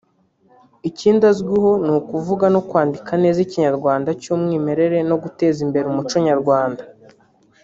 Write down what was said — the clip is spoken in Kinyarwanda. Ikindi azwiho ni ukuvuga no kwandika neza ikinyarwanda cy’umwimerere no guteza imbere umuco nyarwanda